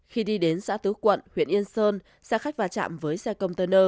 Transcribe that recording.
khi đi đến xã tứ quận huyện yên sơn xe khách va chạm với xe container